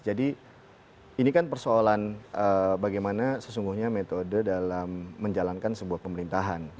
jadi ini kan persoalan bagaimana sesungguhnya metode dalam menjalankan sebuah pembangunan